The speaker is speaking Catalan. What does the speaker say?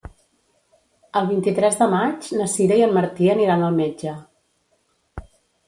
El vint-i-tres de maig na Sira i en Martí aniran al metge.